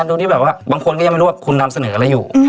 โดยที่แบบว่าบางคนก็ยังไม่รู้ว่าคุณนำเสนออะไรอยู่